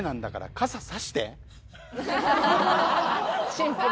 シンプル。